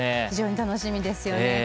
非常に楽しみですね。